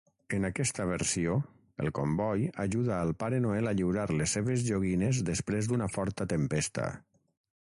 En aquesta versió, el comboi ajuda al Pare Noel a lliurar les seves joguines després d'una forta tempesta.